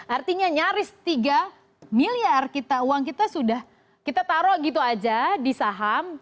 artinya nyaris tiga miliar uang kita sudah kita taruh gitu aja di saham